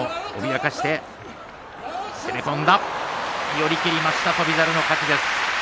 寄り切りました翔猿の勝ちです。